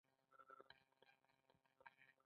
بدمرغۍ او نور مشکلات په ټولنه کې ډېر دي